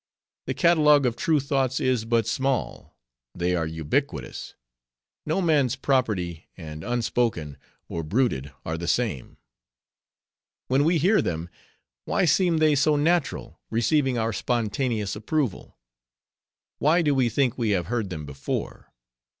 The catalogue of true thoughts is but small; they are ubiquitous; no man's property; and unspoken, or bruited, are the same. When we hear them, why seem they so natural, receiving our spontaneous approval? why do we think we have heard them before?